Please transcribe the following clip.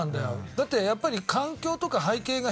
だってやっぱり。